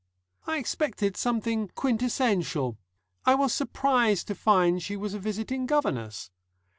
I expected something quintessential; I was surprised to find she was a visiting governess.